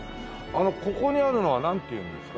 あのここにあるのはなんていうんですか？